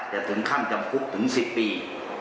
แต่ถึงขั้นจำคุกถึง๑๐ปี